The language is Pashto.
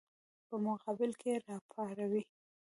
په مقابل کې یې راپاروي.